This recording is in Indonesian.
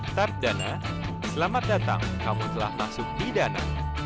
tart dana selamat datang kamu telah masuk di dana